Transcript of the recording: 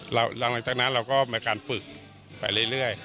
หลังจากนั้นเราก็มีการฝึกไปเรื่อย